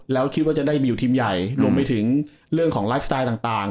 แล้วคิดว่าจะได้ไปอยู่ทีมใหญ่รวมไปถึงเรื่องของไลฟ์สไตล์ต่าง